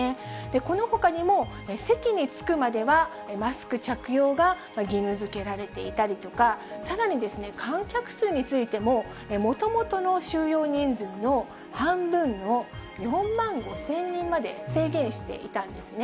このほかにも席に着くまではマスク着用が義務づけられていたりとか、さらにですね、観客数についても、もともとの収容人数の半分の４万５０００人まで制限していたんですね。